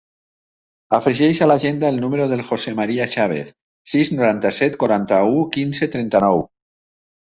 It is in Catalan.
Afegeix a l'agenda el número del José maria Chavez: sis, noranta-set, quaranta-u, quinze, trenta-nou.